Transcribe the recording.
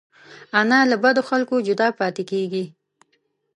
انا له بدو خلکو جدا پاتې کېږي